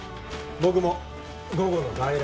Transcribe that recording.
僕も午後の外来に。